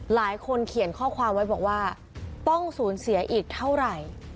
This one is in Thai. หลายคนเขียนข้อความไว้บอกว่าต้องสูญเสียอีกเท่าไหร่